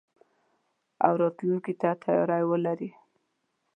او راتلونکي ته تياری ولري.